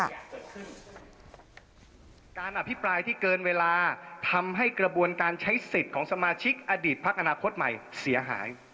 การอภิปรายที่เกินเวลาทำให้กระบวนการใช้สิทธิ์ของสมาชิกอดีตพักอนาคตใหม่เสียหาย